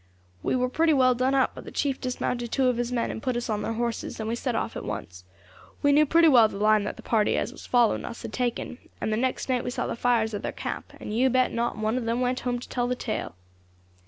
We war pretty well done up, but the chief dismounted two of his men and put us on their horses, and we set off at once. We knew pretty well the line that the party as was following us had taken, and the next night we saw the fires of their camp, and you bet not one of them went home to tell the tale."